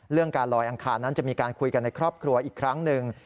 การลอยอังคารนั้นจะมีการคุยกันในครอบครัวอีกครั้งหนึ่ง